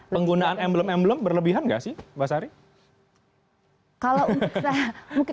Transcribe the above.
penggunaan emblem emblem berlebihan nggak sih mbak sari